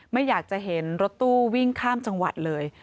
ไม่อยากจะเห็นรถตู้วิ่งข้ามจังหวัดเลย